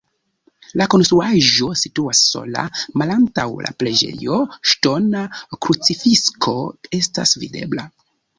La konstruaĵo situas sola, malantaŭ la preĝejo ŝtona krucifikso estas videbla.